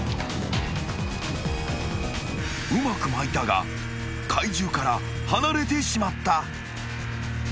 ［うまくまいたが怪獣から離れてしまった］